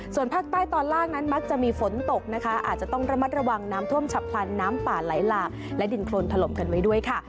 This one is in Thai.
ส่วนภาคใต้ตอนล่างนั้นมักจะมีฝนตกนะคะอาจจะต้องระมัดระวังน้ำท่วมฉับพลันน้ำป่าไหลหลากและดินโครนถล่มกันไว้ด้วยค่ะ